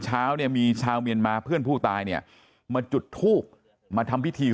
เช้าเนี่ยมีชาวเมียนมาเพื่อนผู้ตายเนี่ยมาจุดทูบมาทำพิธี